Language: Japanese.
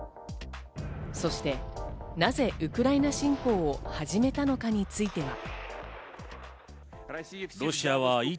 そして、なぜウクライナ侵攻を始めたのかについては。